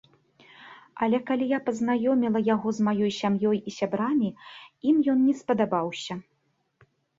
Але калі я пазнаёміла яго з маёй сям'ёй і сябрамі, ім ён не спадабаўся.